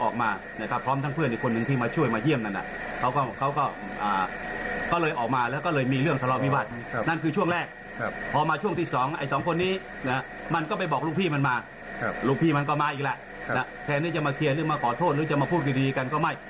แกนี่จะมาเคลียร์หรือมาขอโทษหรือจะมาพูดดีกันก็ไม่